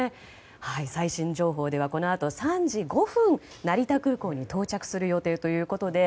最新情報では３時５分にこのあと３時５分、成田空港に到着する予定ということです。